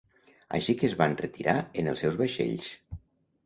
Així que es van retirar en els seus vaixells.